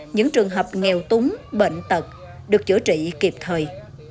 những trường hợp nghèo túng bệnh tật được chữa trị kịp thời